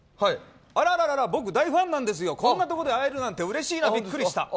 あらら、僕大ファンなんですよこんなところで会えるなんてうれしいな、ビックリした。